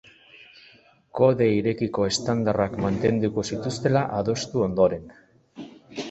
Kode irekiko estandarrak mantenduko zituztela adostu ondoren.